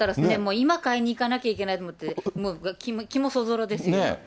今買いに行かなきゃいけないと思って、もう、気もそぞろですよ。